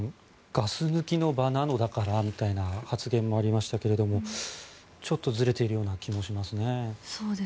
ガス抜きの場なのだからみたいな発言もありましたけれどちょっとずれているような気もしますね。